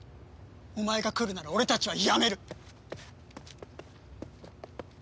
お前が来るなら俺たちは辞める！